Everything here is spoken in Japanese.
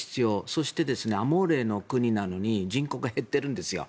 そしてアモーレの国なのに人口が減っているんですよ。